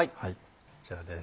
こちらです